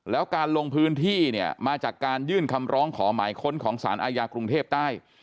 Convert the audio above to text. แล้วการลงพื้นที่เนี่ยมาจากการยื่นคำร้องขอหมายค้นของสารอาญากรุงเทพใต้